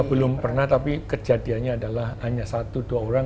belum pernah tapi kejadiannya adalah hanya satu dua orang